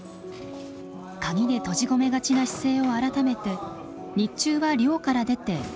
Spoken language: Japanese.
鍵で閉じ込めがちな姿勢を改めて日中は寮から出て活動します。